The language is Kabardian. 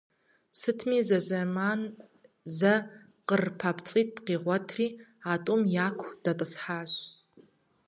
Сытми зызэман зэ къыр папцӀитӀ къигъуэтри, а тӀум яку дэтӀысхьащ.